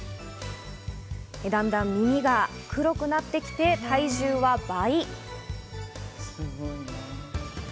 だんだん耳が黒くなって来て、体重は倍。